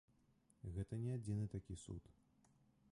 Гэта не адзіны такі суд.